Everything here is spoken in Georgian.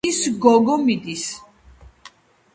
ის გოგო მიდის.